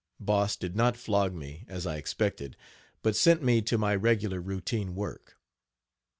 Boss did not flog me, as I expected, but sent me to my regular routine work.